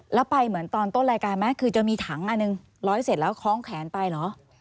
แล้วไปเหมือนตอนต้นรายการไหมคือจะมีถังอันหนึ่งร้อยเสร็จแล้วคล้องแขนไปเหรอ